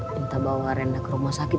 minta bawa rena ke rumah sakit